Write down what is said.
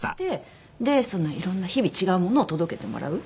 いろんな日々違うものを届けてもらう。